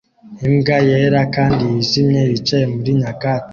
Imbwa yera kandi yijimye yicaye muri nyakatsi